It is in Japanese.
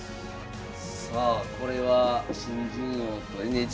さあこれは新人王とＮＨＫ杯ですね。